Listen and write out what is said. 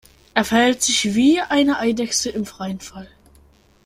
Er verhält sich wie eine Eidechse im freien Fall.